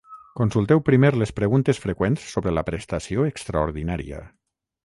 Consulteu primer les preguntes freqüents sobre la prestació extraordinària.